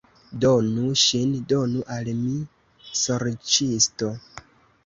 Donu ŝin, donu al mi, sorĉisto!